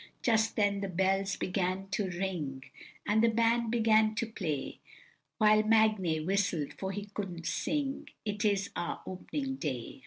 Just then the bells began to ring, And the band began to play, While Magnay whistled, for he couldn't sing, "It is our op'ning day."